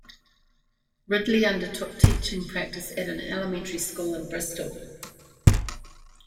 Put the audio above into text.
Ridley undertook teaching practice at an Elementary School in Bristol.